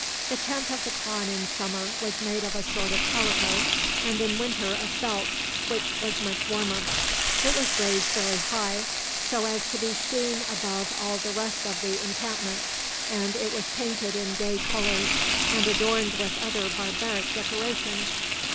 The tent of the khan in summer was made of a sort of calico, and in winter of felt, which was much warmer. It was raised very high, so as to be seen above all the rest of the encampment, and it was painted in gay colors, and adorned with other barbaric decorations.